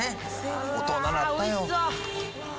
大人になったよ。